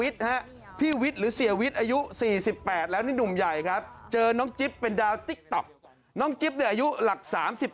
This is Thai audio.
ช่วยหนูด้วยนะคะนะคะนะคะนะคะ